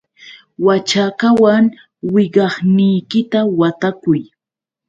Waćhakawan wiqawniykita watakuy.